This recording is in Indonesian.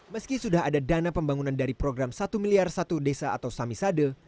meski sudah ada dana pembangunan dari program satu miliar satu desa atau samisade